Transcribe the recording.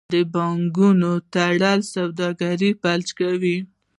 د بانکونو تړل سوداګري فلج کوي.